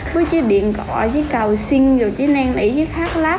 với cái điện gọi với cầu sinh rồi chỉ nang nỉ với khát lát